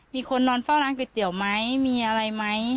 มีคนนอนเฝ้าร้านก๋วยเตี๋ยวไหมมีอะไรไหม